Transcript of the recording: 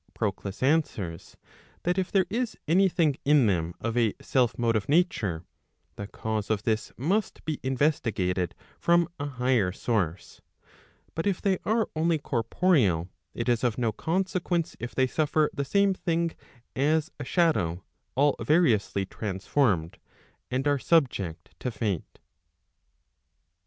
Proclus answers, that if there is any thing in them of a self motive nature, the cause of this must be investigated from a higher source; but if they are only corporeal, it is of no consequence if they suffer the same thing as a shadow all variously transformed, and are subject to Fate.